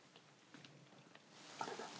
あれだ。